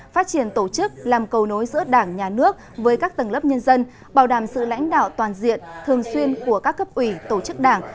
phát triển tổ chức làm cầu nối giữa đảng nhà nước với các tầng lớp nhân dân bảo đảm sự lãnh đạo toàn diện thường xuyên của các cấp ủy tổ chức đảng